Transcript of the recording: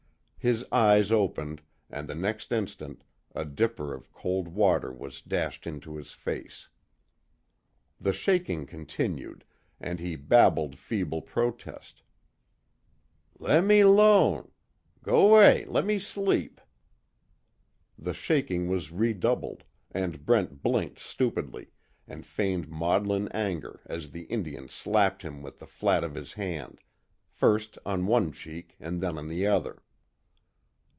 His eyes opened, and the next instant a dipper of cold water was dashed into his face. The shaking continued, and he babbled feeble protest: "Lemme 'lone. G'way le'me sleep!" The shaking was redoubled, and Brent blinked stupidly, and feigned maudlin anger as the Indian slapped him with the flat of his hand, first on one cheek and then on the other.